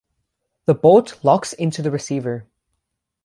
The bolt locks into the receiver.